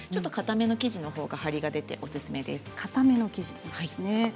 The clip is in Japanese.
かための生地のほうがおすすめです。